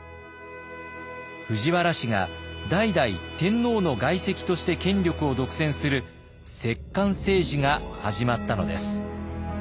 藤原氏が代々天皇の外戚として権力を独占する摂関政治が始まったのです。